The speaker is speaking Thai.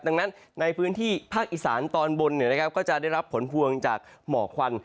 ดังนั้นในพื้นที่ภาคอีสานตอนบนก็จะได้รับผลพวงจากหมอกควัน